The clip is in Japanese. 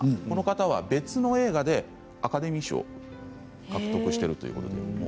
この方は別の映画でアカデミー賞を獲得しているという方なんです。